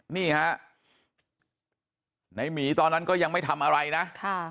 นี่ฮะในหมีตอนนั้นก็ยังไม่ทำอะไรนะ